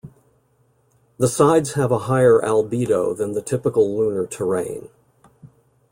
The sides have a higher albedo than the typical lunar terrain.